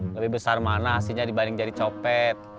lebih besar mana hasilnya dibanding jadi copet